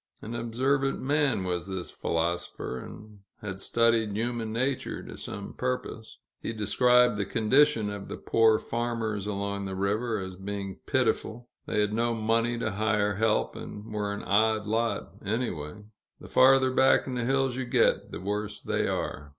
An observant man was this philosopher, and had studied human nature to some purpose. He described the condition of the poor farmers along the river, as being pitiful; they had no money to hire help, and were an odd lot, anyway the farther back in the hills you get, the worse they are.